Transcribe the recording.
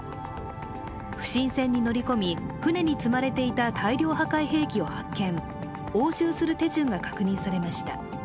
不審船に乗り込み、船に積まれていた大量破壊兵器を発見、押収する手順が確認されました。